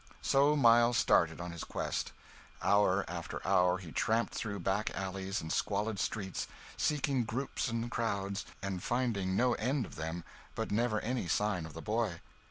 So Miles started on his quest. Hour after hour he tramped through back alleys and squalid streets, seeking groups and crowds, and finding no end of them, but never any sign of the boy.